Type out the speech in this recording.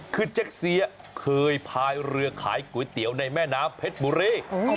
คือเจ๊กเสียเคยพายเรือขายก๋วยเตี๋ยวในแม่น้ำเพชรบุรี